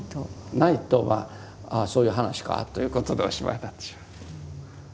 ないとああそういう話かということでおしまいになってしまう。